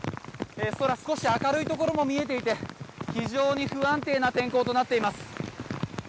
空、少し明るいところも見えていて非常に不安定な天候となっています。